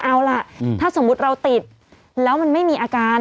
เอาล่ะถ้าสมมุติเราติดแล้วมันไม่มีอาการ